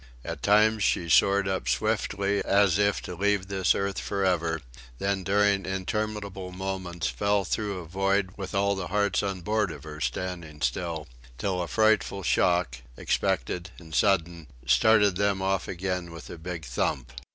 At times she soared up swiftly as if to leave this earth for ever, then during interminable moments fell through a void with all the hearts on board of her standing still, till a frightful shock, expected and sudden, started them off again with a big thump.